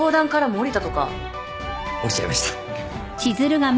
おりちゃいました。